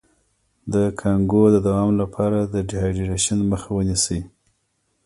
د کانګو د دوام لپاره د ډیهایډریشن مخه ونیسئ